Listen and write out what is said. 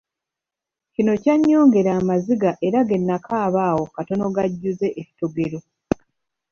Kino kyannyongera maziga era ge nakaaba awo katono gajjuze ettogero.